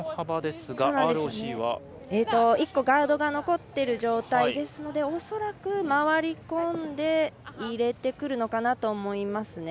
１個、ガードが残っている状態ですので恐らく回り込んで入れてくるのかなと思います。